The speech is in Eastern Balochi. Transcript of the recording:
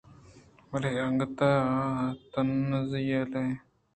بلے ناگت ءَتانزی ءَ آ یلہ دات